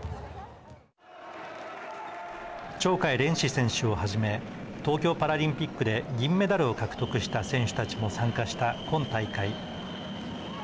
鳥海連志選手をはじめ東京パラリンピックで銀メダルを獲得した選手たちも参加した今大会。